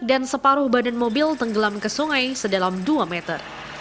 dan separuh badan mobil tenggelam ke sungai sedalam dua meter